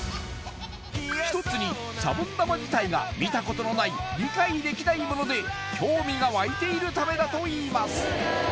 一つにシャボン玉自体が見たことのない理解できないもので興味がわいているためだといいます